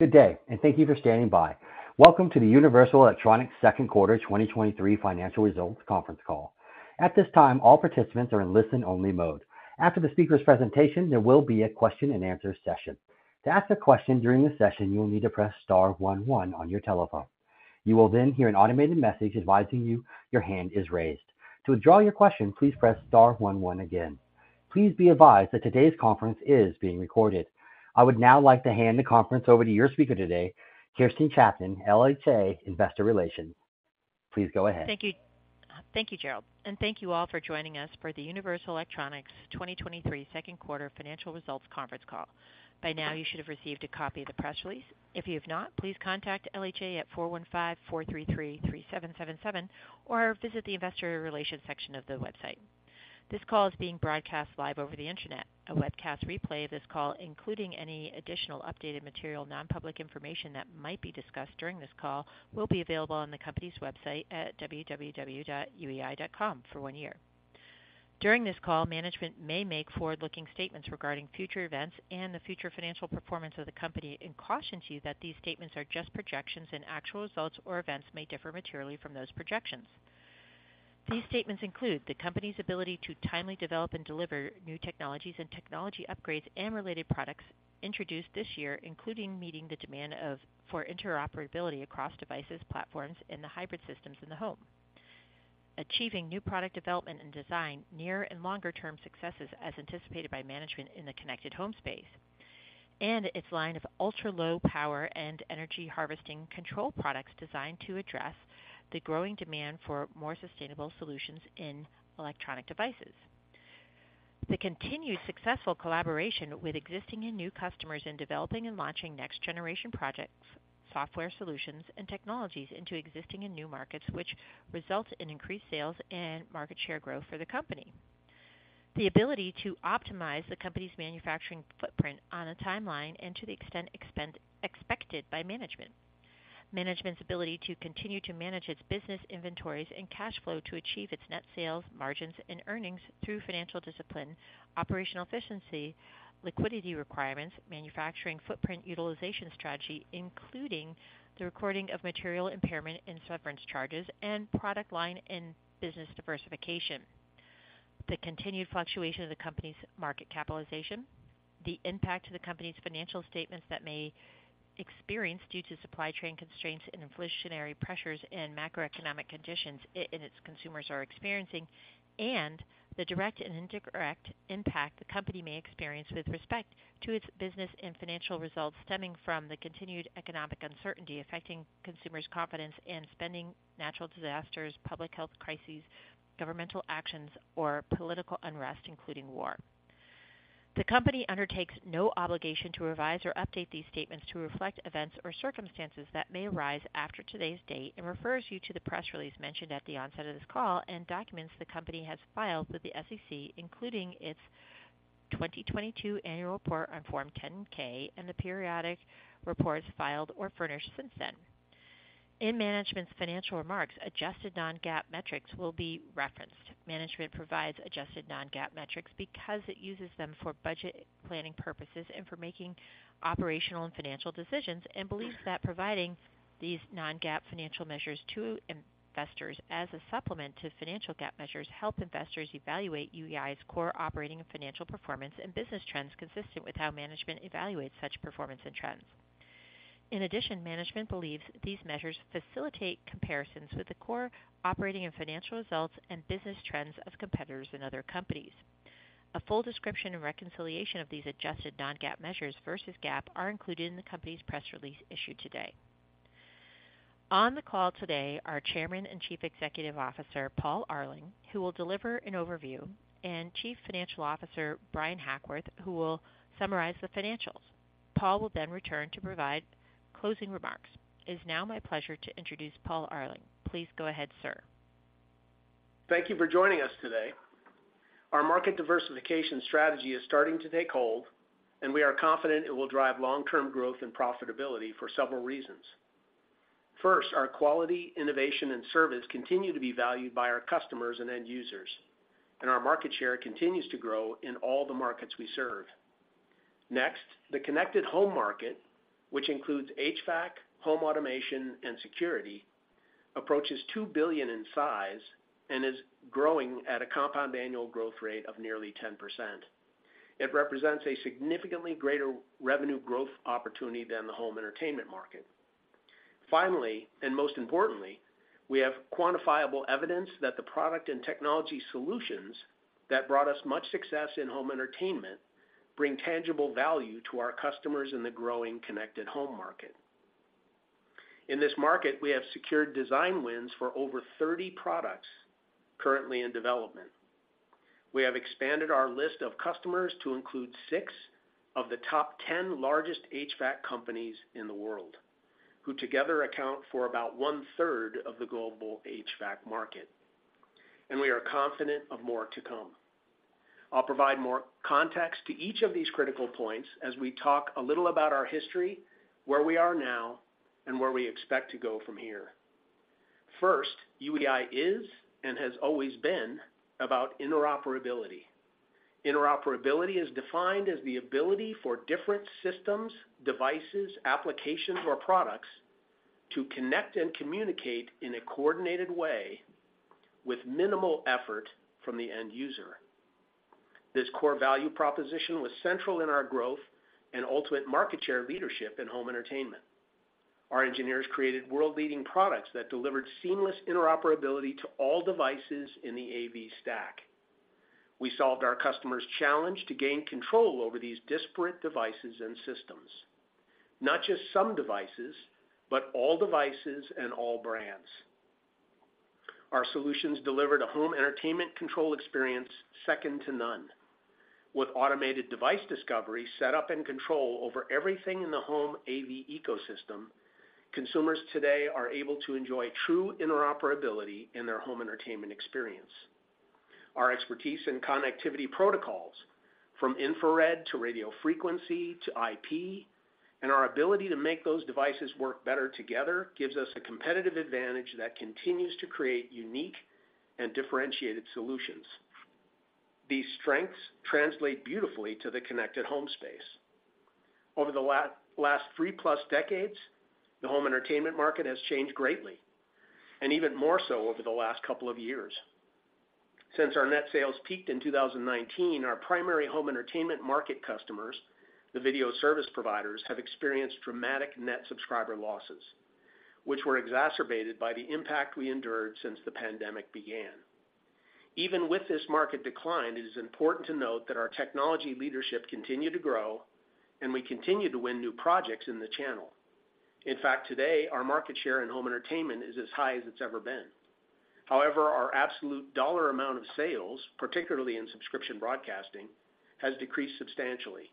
Good day, and thank you for standing by. Welcome to the Universal Electronics 2nd Quarter 2023 Financial Results conference call. At this time, all participants are in listen-only mode. After the speaker's presentation, there will be a question-and-answer session. To ask a question during the session, you will need to press star one, one on your telephone. You will then hear an automated message advising you your hand is raised. To withdraw your question, please press star one, one again. Please be advised that today's conference is being recorded. I would now like to hand the conference over to your speaker today, Kirsten Chapman, LHA Investor Relations. Please go ahead. Thank you. Thank you, Gerald, and thank you all for joining us for the Universal Electronics 2023 second-quarter financial results conference call. By now, you should have received a copy of the press release. If you have not, please contact LHA at 415-433-3777, or visit the Investor Relations section of the website. This call is being broadcast live over the Internet. A webcast replay of this call, including any additional updated material, non-public information that might be discussed during this call, will be available on the company's website at www.uei.com for one year. During this call, management may make forward-looking statements regarding future events and the future financial performance of the company and cautions you that these statements are just projections and actual results or events may differ materially from those projections. These statements include the company's ability to timely develop and deliver new technologies and technology upgrades and related products introduced this year, including meeting the demand for interoperability across devices, platforms, and the hybrid systems in the home. Achieving new product development and design, near and longer-term successes as anticipated by management in the connected home space. Its line of ultra-low power and energy harvesting control products designed to address the growing demand for more sustainable solutions in electronic devices. The continued successful collaboration with existing and new customers in developing and launching next-generation projects, software solutions, and technologies into existing and new markets, which result in increased sales and market share growth for the company. The ability to optimize the company's manufacturing footprint on a timeline and to the extent expected by management. Management's ability to continue to manage its business inventories and cash flow to achieve its net sales, margins, and earnings through financial discipline, operational efficiency, liquidity requirements, manufacturing footprint utilization strategy, including the recording of material impairment and severance charges, and product line and business diversification. The continued fluctuation of the company's market capitalization, the impact to the company's financial statements that may experience due to supply chain constraints and inflationary pressures and macroeconomic conditions and its consumers are experiencing, and the direct and indirect impact the company may experience with respect to its business and financial results stemming from the continued economic uncertainty affecting consumers' confidence in spending, natural disasters, public health crises, governmental actions, or political unrest, including war. The company undertakes no obligation to revise or update these statements to reflect events or circumstances that may arise after today's date and refers you to the press release mentioned at the onset of this call and documents the company has filed with the SEC, including its 2022 annual report on Form 10-K and the periodic reports filed or furnished since then. In management's financial remarks, adjusted non-GAAP metrics will be referenced. Management provides adjusted non-GAAP metrics because it uses them for budget planning purposes and for making operational and financial decisions, and believes that providing these non-GAAP financial measures to investors as a supplement to financial GAAP measures, help investors evaluate UEI's core operating and financial performance and business trends consistent with how management evaluates such performance and trends. In addition, management believes these measures facilitate comparisons with the core operating and financial results and business trends of competitors and other companies. A full description and reconciliation of these adjusted non-GAAP measures versus GAAP are included in the company's press release issued today. On the call today are Chairman and Chief Executive Officer, Paul Arling, who will deliver an overview, and Chief Financial Officer, Bryan Hackworth, who will summarize the financials. Paul will return to provide closing remarks. It is now my pleasure to introduce Paul Arling. Please go ahead, sir. Thank you for joining us today. Our market diversification strategy is starting to take hold. We are confident it will drive long-term growth and profitability for several reasons. First, our quality, innovation, and service continue to be valued by our customers and end users. Our market share continues to grow in all the markets we serve. Next, the connected home market, which includes HVAC, home automation, and security, approaches $2 billion in size and is growing at a compound annual growth rate of nearly 10%. It represents a significantly greater revenue growth opportunity than the home entertainment market. Finally, most importantly, we have quantifiable evidence that the product and technology solutions that brought us much success in home entertainment bring tangible value to our customers in the growing connected home market. In this market, we have secured design wins for over 30 products currently in development. We have expanded our list of customers to include six of the top 10 largest HVAC companies in the world, who together account for about 1/3 of the global HVAC market, and we are confident of more to come. I'll provide more context to each of these critical points as we talk a little about our history, where we are now, and where we expect to go from here. First, UEI is and has always been about interoperability. Interoperability is defined as the ability for different systems, devices, applications, or products to connect and communicate in a coordinated way with minimal effort from the end user. This core value proposition was central in our growth and ultimate market share leadership in home entertainment. Our engineers created world-leading products that delivered seamless interoperability to all devices in the AV stack. We solved our customers' challenge to gain control over these disparate devices and systems, not just some devices, but all devices and all brands. Our solutions delivered a home entertainment control experience second to none. With automated device discovery, setup, and control over everything in the home AV ecosystem, consumers today are able to enjoy true interoperability in their home entertainment experience. Our expertise in connectivity protocols, from infrared to radio frequency to IP, and our ability to make those devices work better together, gives us a competitive advantage that continues to create unique and differentiated solutions. These strengths translate beautifully to the connected home space. Over the last three-plus decades, the home entertainment market has changed greatly, and even more so over the last couple of years. Since our net sales peaked in 2019, our primary home entertainment market customers, the video service providers, have experienced dramatic net subscriber losses, which were exacerbated by the impact we endured since the pandemic began. Even with this market decline, it is important to note that our technology leadership continued to grow and we continued to win new projects in the channel. In fact, today, our market share in home entertainment is as high as it's ever been. However, our absolute dollar amount of sales, particularly in subscription broadcasting, has decreased substantially.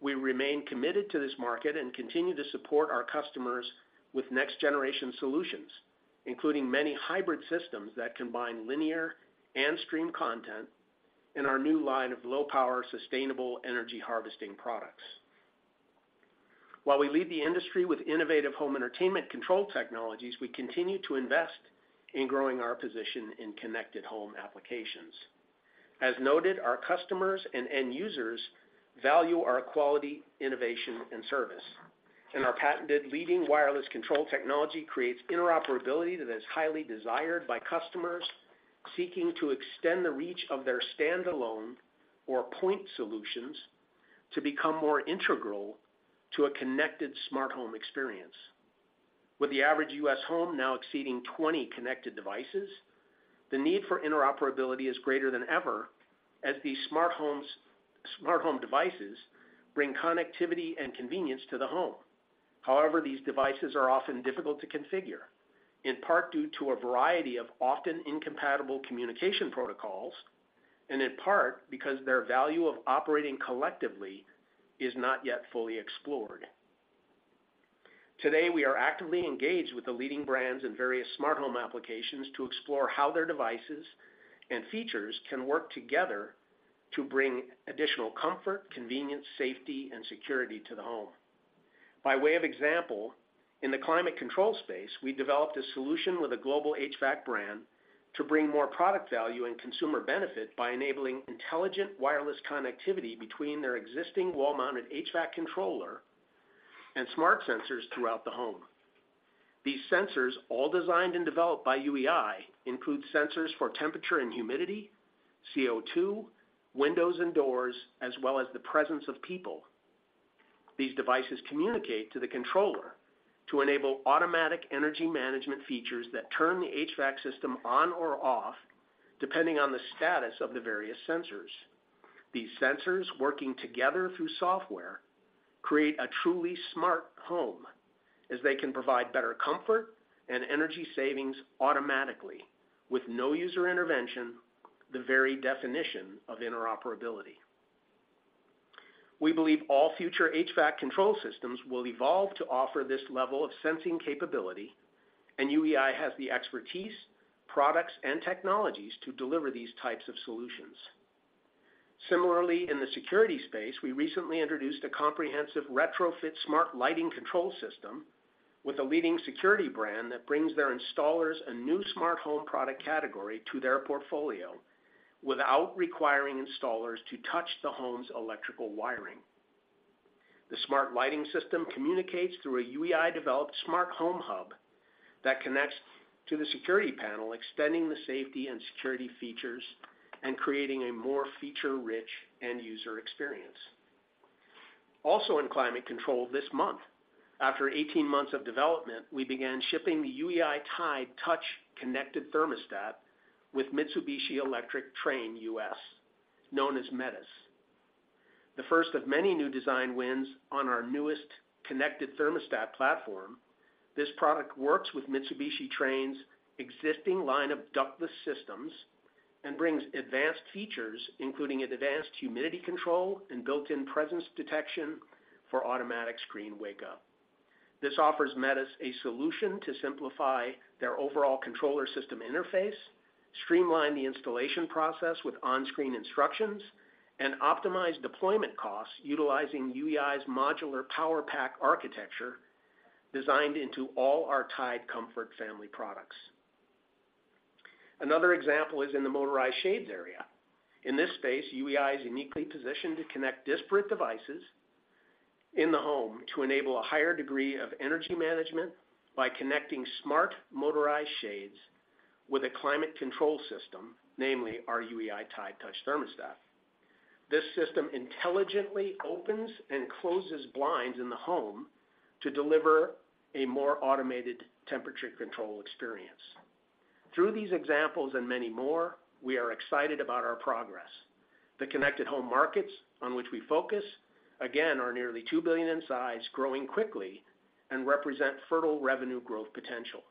We remain committed to this market and continue to support our customers with next-generation solutions, including many hybrid systems that combine linear and stream content in our new line of low-power, sustainable energy harvesting products. While we lead the industry with innovative home entertainment control technologies, we continue to invest in growing our position in connected home applications. As noted, our customers and end users value our quality, innovation, and service, and our patented leading wireless control technology creates interoperability that is highly desired by customers seeking to extend the reach of their standalone or point solutions to become more integral to a connected smart home experience. With the average U.S. home now exceeding 20 connected devices, the need for interoperability is greater than ever as these smart home devices bring connectivity and convenience to the home. However, these devices are often difficult to configure, in part due to a variety of often incompatible communication protocols, and in part because their value of operating collectively is not yet fully explored. Today, we are actively engaged with the leading brands in various smart home applications to explore how their devices and features can work together to bring additional comfort, convenience, safety, and security to the home. By way of example, in the climate control space, we developed a solution with a global HVAC brand to bring more product value and consumer benefit by enabling intelligent, wireless connectivity between their existing wall-mounted HVAC controller and smart sensors throughout the home. These sensors, all designed and developed by UEI, include sensors for temperature and humidity, CO2, windows and doors, as well as the presence of people. These devices communicate to the controller to enable automatic energy management features that turn the HVAC system on or off, depending on the status of the various sensors. These sensors, working together through software, create a truly smart home as they can provide better comfort and energy savings automatically with no user intervention, the very definition of interoperability. We believe all future HVAC control systems will evolve to offer this level of sensing capability. UEI has the expertise, products, and technologies to deliver these types of solutions. Similarly, in the security space, we recently introduced a comprehensive retrofit smart lighting control system with a leading security brand that brings their installers a new smart home product category to their portfolio without requiring installers to touch the home's electrical wiring. The smart lighting system communicates through a UEI-developed smart home hub that connects to the security panel, extending the safety and security features and creating a more feature-rich end-user experience. Also, in climate control, this month, after 18 months of development, we began shipping the UEI TIDE Touch Connected Thermostat with Mitsubishi Electric Trane HVAC US, known as METUS. The first of many new design wins on our newest connected thermostat platform, this product works with Mitsubishi Trane's existing line of ductless systems and brings advanced features, including advanced humidity control and built-in presence detection for automatic screen wake-up. This offers METUS a solution to simplify their overall controller system interface, streamline the installation process with on-screen instructions, and optimize deployment costs utilizing UEI's modular power pack architecture, designed into all our TIDE Comfort family products. Another example is in the motorized shades area. In this space, UEI is uniquely positioned to connect disparate devices in the home to enable a higher degree of energy management by connecting smart motorized shades with a climate control system, namely our UEI TIDE Touch thermostat. This system intelligently opens and closes blinds in the home to deliver a more automated temperature control experience. Through these examples and many more, we are excited about our progress. The connected home markets on which we focus, again, are nearly $2 billion in size, growing quickly, and represent fertile revenue growth potential.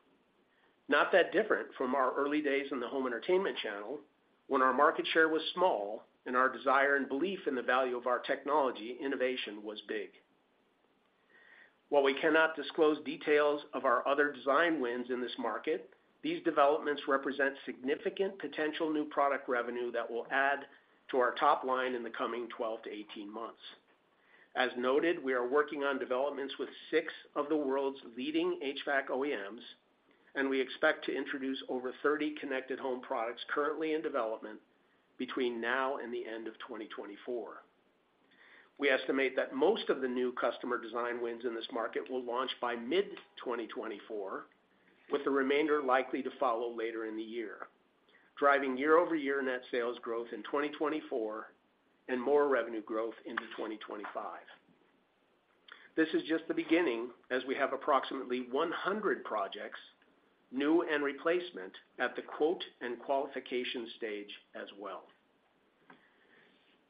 Not that different from our early days in the home entertainment channel, when our market share was small and our desire and belief in the value of our technology innovation was big. While we cannot disclose details of our other design wins in this market, these developments represent significant potential new product revenue that will add to our top line in the coming 12-18 months. As noted, we are working on developments with six of the world's leading HVAC OEMs, and we expect to introduce over 30 connected home products currently in development between now and the end of 2024. We estimate that most of the new customer design wins in this market will launch by mid-2024, with the remainder likely to follow later in the year, driving YOY net sales growth in 2024 and more revenue growth into 2025. This is just the beginning, as we have approximately 100 projects, new and replacement, at the quote and qualification stage as well.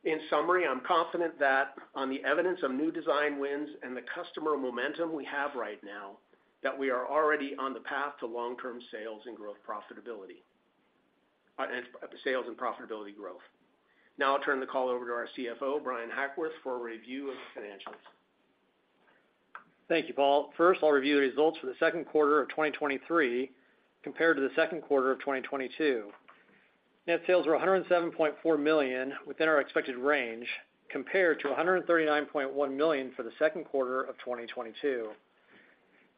In summary, I'm confident that on the evidence of new design wins and the customer momentum we have right now, that we are already on the path to long-term sales and growth profitability, and sales and profitability growth. Now I'll turn the call over to our CFO, Bryan Hackworth, for a review of the financials. Thank you, Paul. First, I'll review the results for the second quarter of 2023 compared to the second quarter of 2022. Net sales were $107.4 million, within our expected range, compared to $139.1 million for the second quarter of 2022.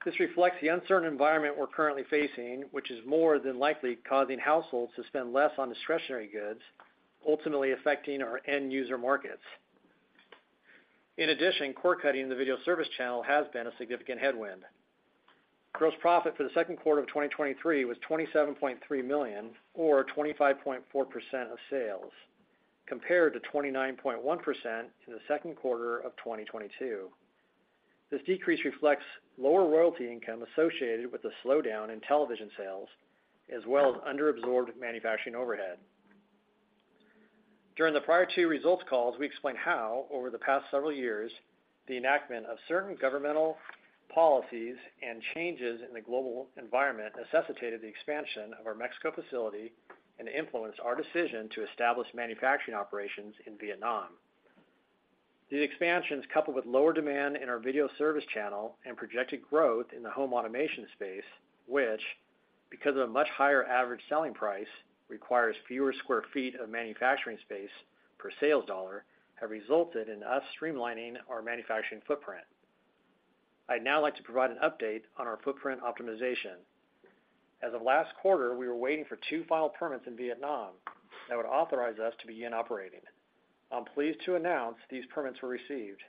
This reflects the uncertain environment we're currently facing, which is more than likely causing households to spend less on discretionary goods, ultimately affecting our end user markets. In addition, cord-cutting in the video service channel has been a significant headwind. Gross profit for the second quarter of 2023 was $27.3 million, or 25.4% of sales, compared to 29.1% in the second quarter of 2022. This decrease reflects lower royalty income associated with the slowdown in television sales, as well as under-absorbed manufacturing overhead. During the prior two results calls, we explained how, over the past several years, the enactment of certain governmental policies and changes in the global environment necessitated the expansion of our Mexico facility and influenced our decision to establish manufacturing operations in Vietnam. These expansions, coupled with lower demand in our video service channel and projected growth in the home automation space, which, because of a much higher average selling price, requires fewer square feet of manufacturing space per sales dollar, have resulted in us streamlining our manufacturing footprint. I'd now like to provide an update on our footprint optimization. As of last quarter, we were waiting for two final permits in Vietnam that would authorize us to begin operating. I'm pleased to announce these permits were received,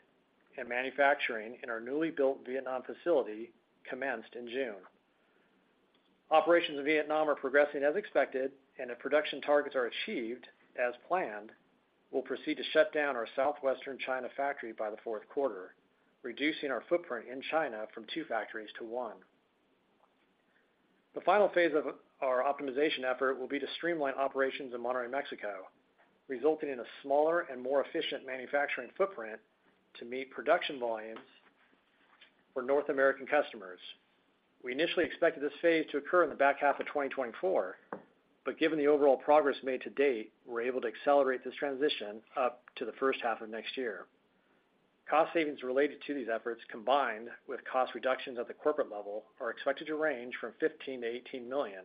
and manufacturing in our newly built Vietnam facility commenced in June. Operations in Vietnam are progressing as expected, and if production targets are achieved as planned, we'll proceed to shut down our Southwestern China factory by the 4th quarter, reducing our footprint in China from two factories to one. The final phase of our optimization effort will be to streamline operations in Monterrey, Mexico, resulting in a smaller and more efficient manufacturing footprint to meet production volumes for North American customers. We initially expected this phase to occur in the back 1/2 of 2024, but given the overall progress made to date, we're able to accelerate this transition up to the 1st half of next year. Cost savings related to these efforts, combined with cost reductions at the corporate level, are expected to range from $15 million-$18 million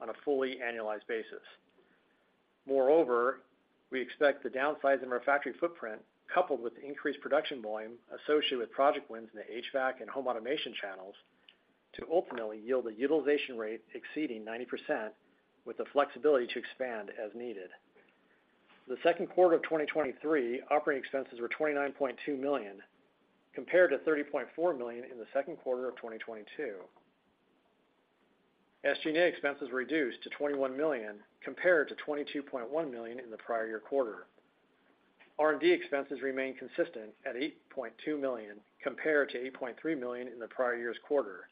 on a fully annualized basis. Moreover, we expect the downsizing of our factory footprint, coupled with increased production volume associated with project wins in the HVAC and home automation channels, to ultimately yield a utilization rate exceeding 90%, with the flexibility to expand as needed. For the second quarter of 2023, operating expenses were $29.2 million, compared to $30.4 million in the second quarter of 2022. SG&A expenses reduced to $21 million, compared to $22.1 million in the prior year quarter. R&D expenses remained consistent at $8.2 million, compared to $8.3 million in the prior year's quarter.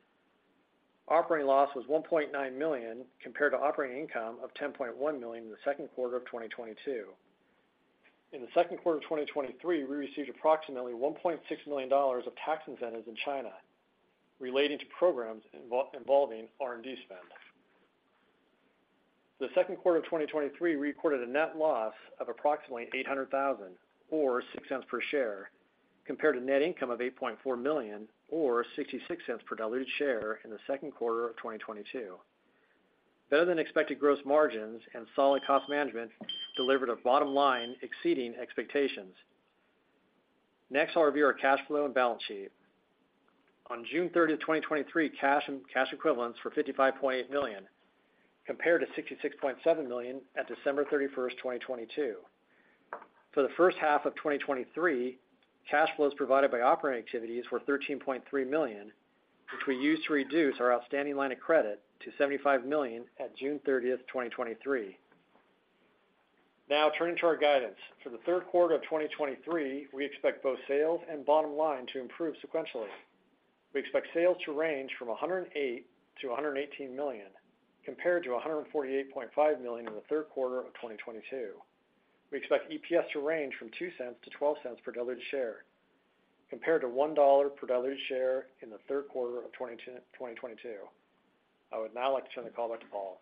Operating loss was $1.9 million, compared to operating income of $10.1 million in the second quarter of 2022. In the second quarter of 2023, we received approximately $1.6 million of tax incentives in China relating to programs involving R&D spend. The second quarter of 2023 recorded a net loss of approximately $800,000, or $0.06 per share, compared to net income of $8.4 million or $0.66 per diluted share in the second quarter of 2022. Better than expected gross margins and solid cost management delivered a bottom line exceeding expectations. Next, I'll review our cash flow and balance sheet. On June 30, 2023, cash and cash equivalents for $55.8 million, compared to $66.7 million at December 31st, 2022. For the first half of 2023, cash flows provided by operating activities were $13.3 million, which we used to reduce our outstanding line of credit to $75 million at June 30th, 2023. Turning to our guidance. For the third quarter of 2023, we expect both sales and bottom line to improve sequentially. We expect sales to range from $108 million-$118 million, compared to $148.5 million in the third quarter of 2022. We expect EPS to range from $0.02-$0.12 per diluted share, compared to $1.00 per diluted share in the third quarter of 2022. I would now like to turn the call back to Paul.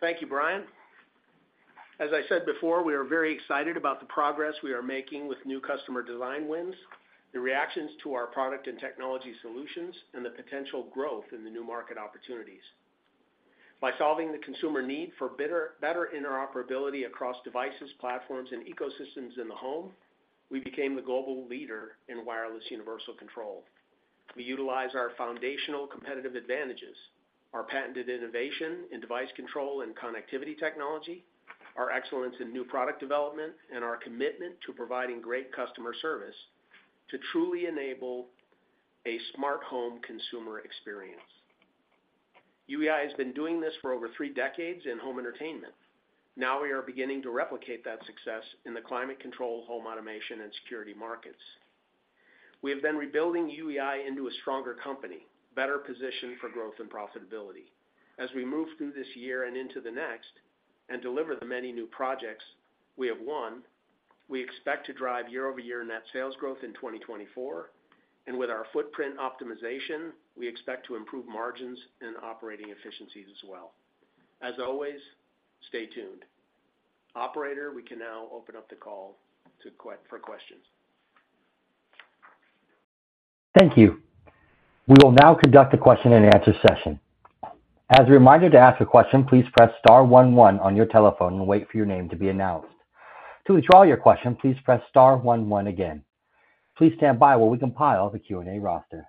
Thank you, Bryan. As I said before, we are very excited about the progress we are making with new customer design wins, the reactions to our product and technology solutions, and the potential growth in the new market opportunities. By solving the consumer need for better interoperability across devices, platforms, and ecosystems in the home, we became the global leader in wireless universal control. We utilize our foundational competitive advantages, our patented innovation in device control and connectivity technology, our excellence in new product development, and our commitment to providing great customer service to truly enable a smart home consumer experience. UEI has been doing this for over three decades in home entertainment. We are beginning to replicate that success in the climate control, home automation, and security markets. We have been rebuilding UEI into a stronger company, better positioned for growth and profitability. As we move through this year and into the next, and deliver the many new projects we have won, we expect to drive YoY net sales growth in 2024, and with our footprint optimization, we expect to improve margins and operating efficiencies as well. As always, stay tuned. Operator, we can now open up the call for questions. Thank you. We will now conduct a question and answer session. As a reminder to ask a question, please press star one one on your telephone and wait for your name to be announced. To withdraw your question, please press star one one again. Please stand by while we compile the Q&A roster.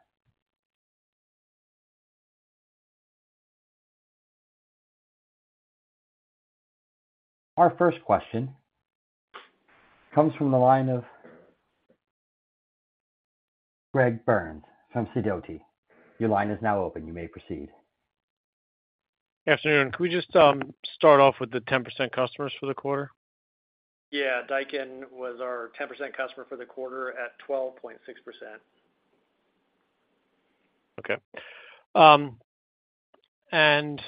Our first question comes from the line of Greg Burns from Sidoti. Your line is now open. You may proceed. Good afternoon. Can we just start off with the 10% customers for the quarter? Yeah. Daikin was our 10% customer for the quarter at 12.6%. And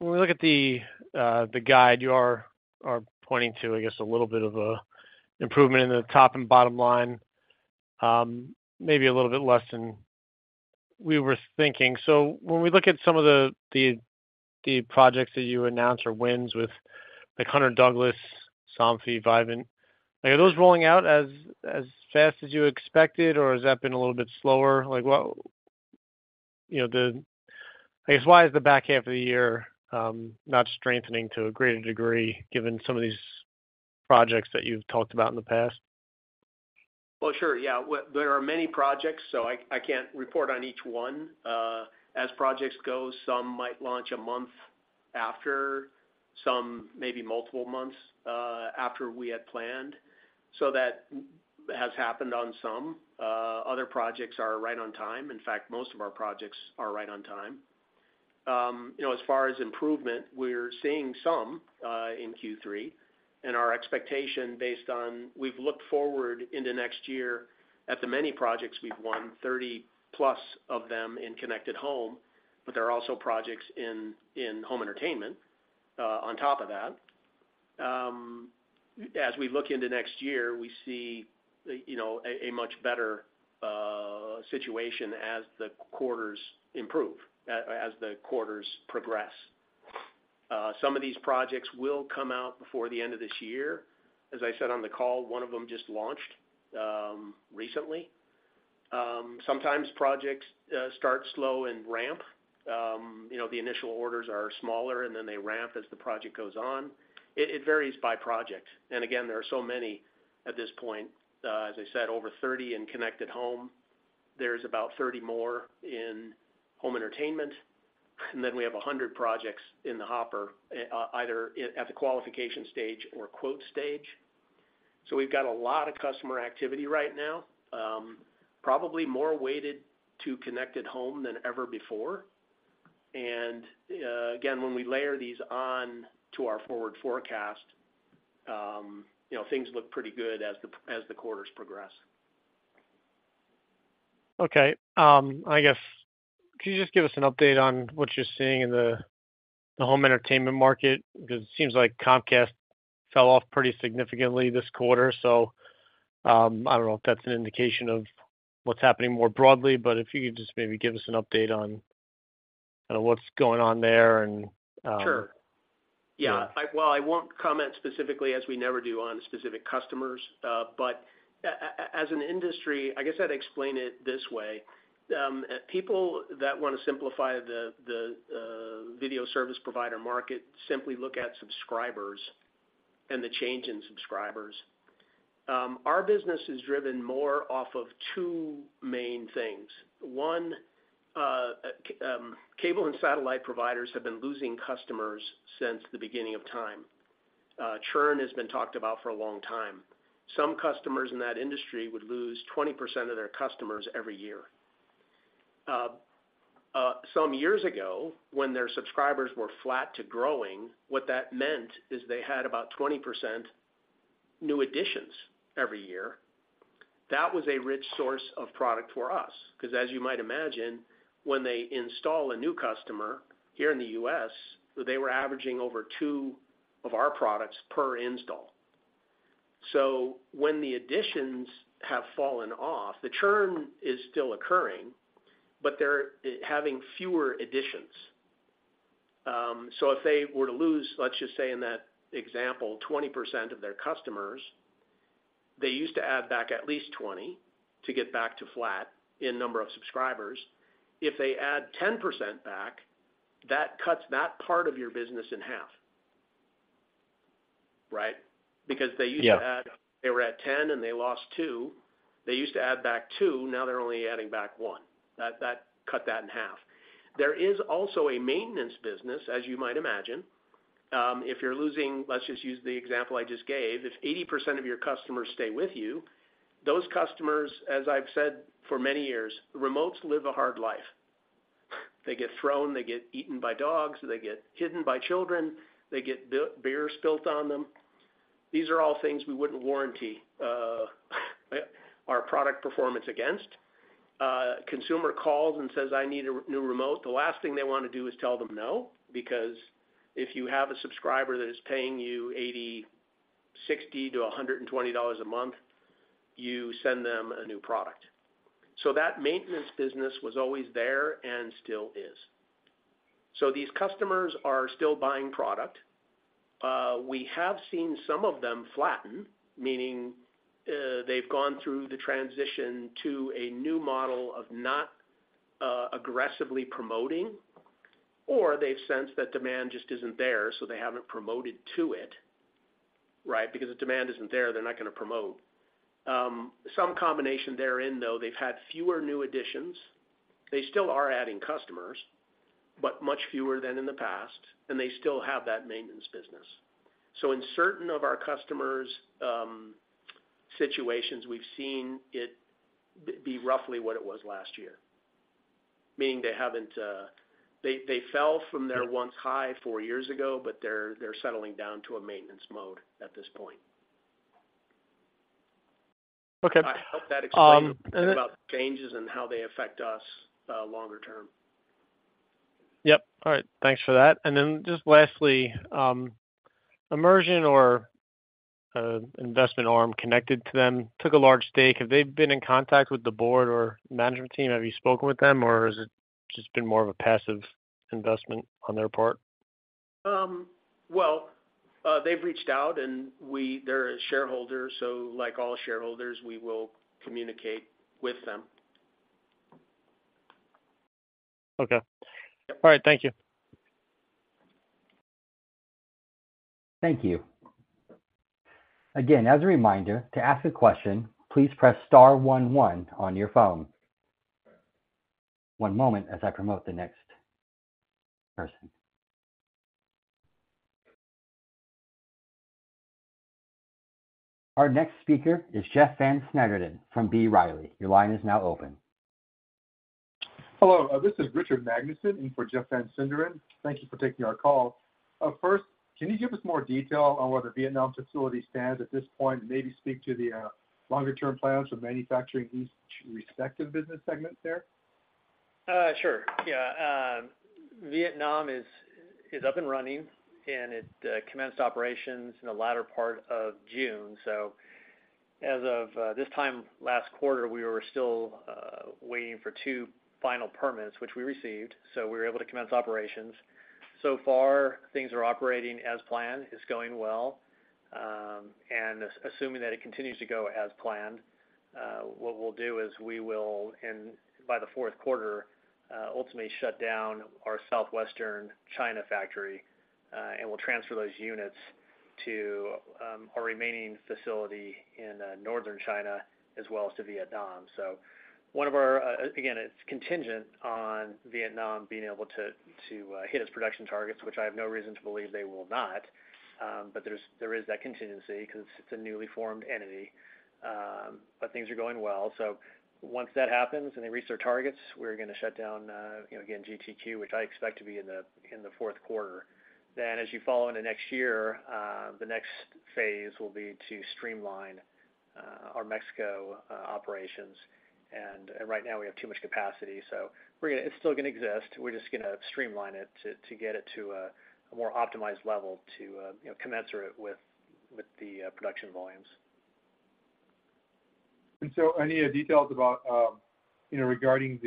when we look at the guide, you are, are pointing to, I guess, a little bit of a improvement in the top and bottom line, maybe a little bit less than we were thinking. When we look at some of the, the, the projects that you announced or wins with, like Hunter Douglas, Somfy, Vivint, are those rolling out as, as fast as you expected, or has that been a little bit slower? What... You know, I guess, why is the back half of the year not strengthening to a greater degree given some of these projects that you've talked about in the past? Well, sure. Yeah. Well, there are many projects, so I, I can't report on each one. As projects go, some might launch a month after, some maybe multiple months after we had planned. That has happened on some, other projects are right on time. In fact, most of our projects are right on time. You know, as far as improvement, we're seeing some in Q3. Our expectation based on... We've looked forward into next year at the many projects we've won, 30+ of them in connected home, but there are also projects in, in home entertainment on top of that. As we look into next year, we see, you know, a, a much better situation as the quarters improve, as the quarters progress. Some of these projects will come out before the end of this year. As I said on the call, one of them just launched recently. Sometimes projects start slow and ramp. You know, the initial orders are smaller, and then they ramp as the project goes on. It varies by project. Again, there are so many at this point, as I said, over 30 in connected home. There's about 30 more in home entertainment, and then we have 100 projects in the hopper, either at the qualification stage or quote stage. We've got a lot of customer activity right now, probably more weighted to connected home than ever before. Again, when we layer these on to our forward forecast, you know, things look pretty good as the, as the quarters progress. Okay, I guess, can you just give us an update on what you're seeing in the, the home entertainment market? It seems like Comcast fell off pretty significantly this quarter. I don't know if that's an indication of what's happening more broadly, but if you could just maybe give us an update on kind of what's going on there. Sure. Yeah. Yeah. I-- Well, I won't comment specifically, as we never do, on specific customers. As an industry, I guess I'd explain it this way: people that wanna simplify the, the video service provider market simply look at subscribers and the change in subscribers. Our business is driven more off of two main things. One, cable and satellite providers have been losing customers since the beginning of time. Churn has been talked about for a long time. Some customers in that industry would lose 20% of their customers every year. Some years ago, when their subscribers were flat to growing, what that meant is they had about 20% new additions every year. That was a rich source of product for us, because as you might imagine, when they install a new customer here in the U.S., they were averaging over two of our products per install. When the additions have fallen off, the churn is still occurring, but they're having fewer additions. If they were to lose, let just say in that example, 20% of their customers, they used to add back at least 20 to get back to flat in number of subscribers. If they add 10% back, that cuts that part of your business in half, right? They used to add. Yeah. They were at 10, and they lost 2. They used to add back 2, now they're only adding back 1. That, that cut that in half. There is also a maintenance business, as you might imagine. If you're losing, let's just use the example I just gave, if 80% of your customers stay with you, those customers, as I've said for many years, remotes live a hard life. They get thrown, they get eaten by dogs, they get hidden by children, they get beer spilt on them. These are all things we wouldn't warranty our product performance against. Consumer calls and says, "I need a new remote." The last thing they wanna do is tell them no, because if you have a subscriber that is paying you 80, $60-$120 a month, you send them a new product. That maintenance business was always there and still is. These customers are still buying product. We have seen some of them flatten, meaning, they've gone through the transition to a new model of not aggressively promoting, or they've sensed that demand just isn't there, so they haven't promoted to it, right? Because if demand isn't there, they're not gonna promote. Some combination therein, though, they've had fewer new additions. They still are adding customers, but much fewer than in the past, and they still have that maintenance business. In certain of our customers', situations, we've seen it be roughly what it was last year, meaning they haven't. They fell from their once high four years ago, but they're settling down to a maintenance mode at this point. Okay. I hope that explained about changes and how they affect us, longer term. Yep. All right. Thanks for that. Just lastly, Immersion or investment arm connected to them took a large stake. Have they been in contact with the board or management team? Have you spoken with them, or has it just been more of a passive investment on their part? Well, they've reached out, and They're a shareholder, so like all shareholders, we will communicate with them. Okay. Yep. All right. Thank you. Thank you. Again, as a reminder, to ask a question, please press star 1, 1 on your phone. One moment as I promote the next person. Our next speaker is Jeff Van Sinderen from B. Riley. Your line is now open. Hello, this is Richard Magnusen in for Jeff Van Sinderen. Thank you for taking our call. First, can you give us more detail on where the Vietnam facility stands at this point, and maybe speak to the longer-term plans for manufacturing each respective business segment there? Sure. Yeah, Vietnam is, is up and running, and it commenced operations in the latter part of June. As of this time last quarter, we were still waiting for two final permits, which we received, so we were able to commence operations. Far, things are operating as planned. It's going well. Assuming that it continues to go as planned, what we'll do is we will, by the fourth quarter, ultimately shut down our Southwestern China factory, and we'll transfer those units to our remaining facility in Northern China, as well as to Vietnam. One of our-- Again, it's contingent on Vietnam being able to, to hit its production targets, which I have no reason to believe they will not. There's, there is that contingency because it's a newly formed entity. Things are going well. Once that happens and they reach their targets, we're gonna shut down, you know, again, GTQ, which I expect to be in the fourth quarter. As you follow into next year, the next phase will be to streamline our Mexico operations. Right now we have too much capacity, so we're gonna-- It's still gonna exist. We're just gonna streamline it to get it to a more optimized level to, you know, commensurate with the production volumes. any details about, you know, regarding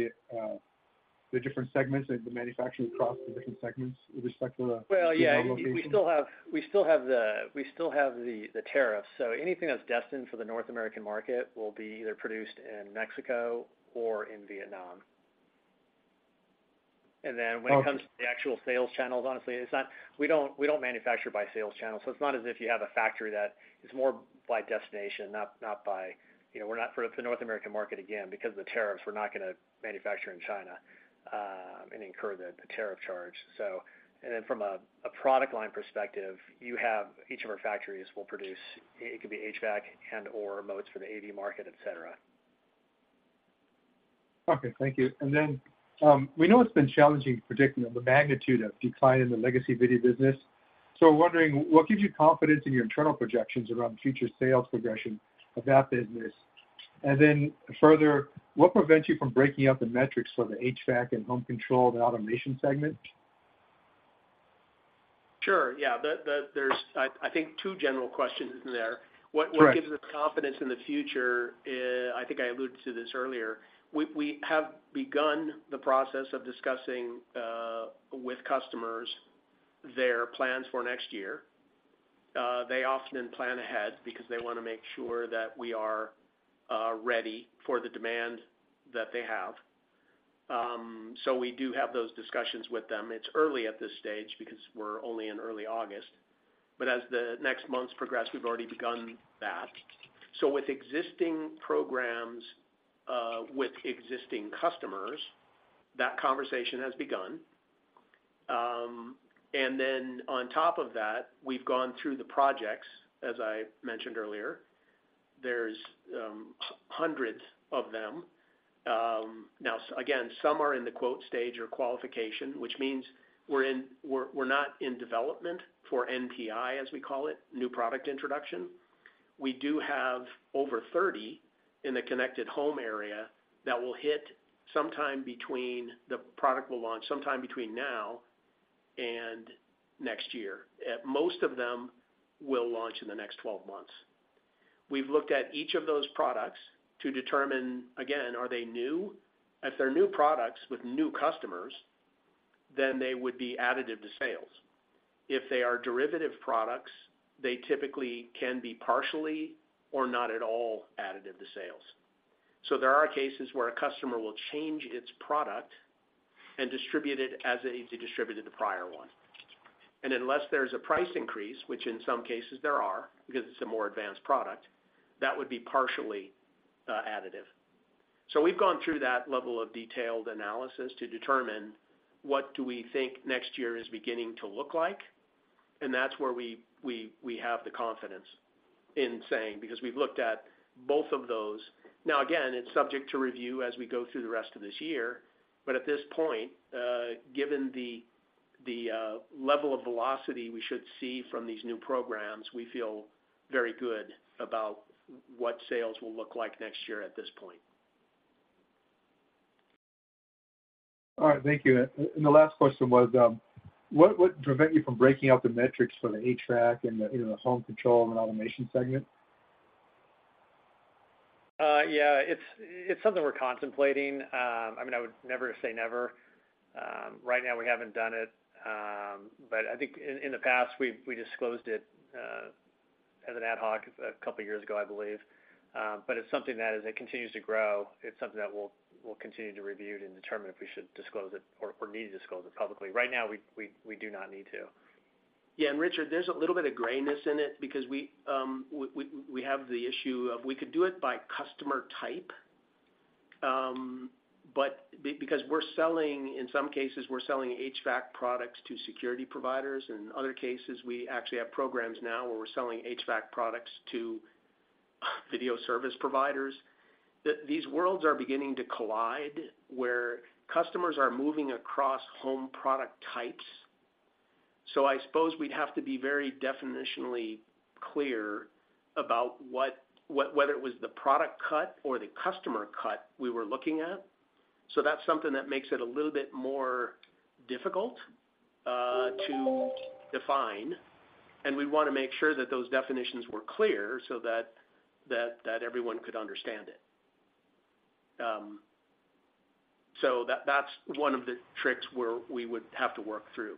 the different segments and the manufacturing costs and different segments with respect to the. Well, yeah, we still have, we still have the, we still have the, the tariffs. Anything that's destined for the North American market will be either produced in Mexico or in Vietnam. Okay. When it comes to the actual sales channels, honestly, we don't, we don't manufacture by sales channel, so it's not as if you have a factory that is more by destination. You know, we're not for the North American market, again, because of the tariffs, we're not gonna manufacture in China, and incur the tariff charge. From a, a product line perspective, you have each of our factories will produce, it could be HVAC and/or remotes for the AV market, et cetera. Okay, thank you. We know it's been challenging to predict, you know, the magnitude of decline in the legacy video business. We're wondering, what gives you confidence in your internal projections around future sales progression of that business? Further, what prevents you from breaking out the metrics for the HVAC and home control and automation segment? Sure. Yeah, there's, I think two general questions in there. Correct. What gives us confidence in the future is, I think I alluded to this earlier, we have begun the process of discussing with customers their plans for next year. They often plan ahead because they wanna make sure that we are ready for the demand that they have. We do have those discussions with them. It's early at this stage because we're only in early August, but as the next months progress, we've already begun that. With existing programs, with existing customers, that conversation has begun. Then on top of that, we've gone through the projects, as I mentioned earlier. There's hundreds of them. Now, again, some are in the quote stage or qualification, which means we're not in development for NPI, as we call it, new product introduction. We do have over 30 in the connected home area that will hit. The product will launch sometime between now and next year. Most of them will launch in the next 12 months. We've looked at each of those products to determine, again, are they new? If they're new products with new customers, then they would be additive to sales. If they are derivative products, they typically can be partially or not at all additive to sales. There are cases where a customer will change its product and distribute it as it distributed the prior one. Unless there's a price increase, which in some cases there are, because it's a more advanced product, that would be partially additive. We've gone through that level of detailed analysis to determine what do we think next year is beginning to look like, and that's where we, we, we have the confidence in saying, because we've looked at both of those. Now, again, it's subject to review as we go through the rest of this year, but at this point, given the, the level of velocity we should see from these new programs, we feel very good about what sales will look like next year at this point. All right, thank you. The last question was, what, what would prevent you from breaking out the metrics for the HVAC and the, you know, the home control and automation segment? Yeah, it's, it's something we're contemplating. I mean, I would never say never. Right now we haven't done it, but I think in, in the past, we, we disclosed it as an ad hoc a couple of years ago, I believe. It's something that as it continues to grow, it's something that we'll, we'll continue to review and determine if we should disclose it or, or need to disclose it publicly. Right now, we, we, we do not need to. Yeah, Richard, there's a little bit of grayness in it because we, we, we have the issue of we could do it by customer type. Because we're selling, in some cases, we're selling HVAC products to security providers, and other cases, we actually have programs now where we're selling HVAC products to video service providers. These worlds are beginning to collide, where customers are moving across home product types. I suppose we'd have to be very definitionally clear about what, what, whether it was the product cut or the customer cut we were looking at. That's something that makes it a little bit more difficult to define, and we wanna make sure that those definitions were clear so that, that, that everyone could understand it. That's one of the tricks where we would have to work through.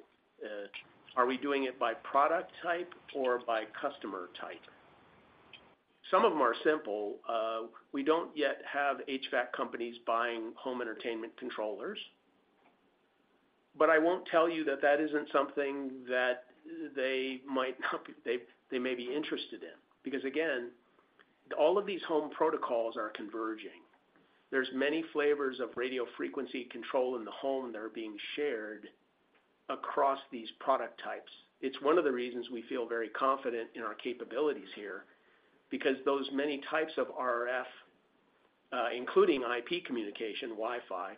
Are we doing it by product type or by customer type? Some of them are simple. We don't yet have HVAC companies buying home entertainment controllers, but I won't tell you that that isn't something that they might not be, they, they may be interested in. Again, all of these home protocols are converging. There's many flavors of radio frequency control in the home that are being shared across these product types. It's one of the reasons we feel very confident in our capabilities here, because those many types of RF, including IP communication, Wi-Fi,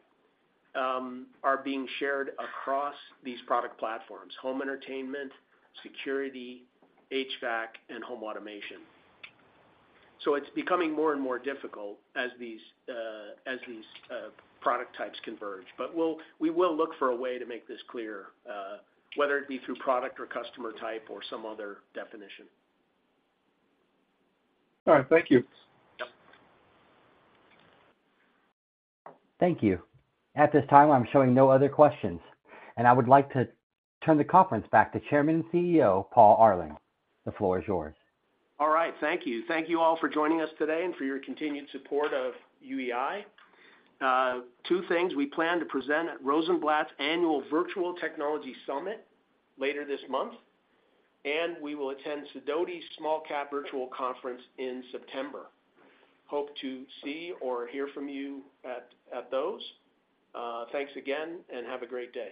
are being shared across these product platforms: home entertainment, security, HVAC, and home automation. It's becoming more and more difficult as these, as these, product types converge. But we will look for a way to make this clear, whether it be through product or customer type or some other definition. All right. Thank you. Yep. Thank you. At this time, I'm showing no other questions. I would like to turn the conference back to Chairman and CEO, Paul Arling. The floor is yours. All right. Thank you. Thank you all for joining us today and for your continued support of UEI. Two things, we plan to present at Rosenblatt's Annual Virtual Technology Summit later this month, and we will attend Sidoti's Small Cap Virtual Conference in September. Hope to see or hear from you at those. Thanks again, and have a great day.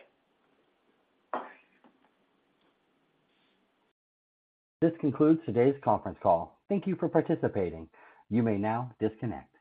This concludes today's conference call. Thank you for participating. You may now disconnect.